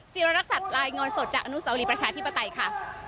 สีฤทธิ์ละทักลายงนสดจากอนุสาวรีประชาธิปไตรค่ะ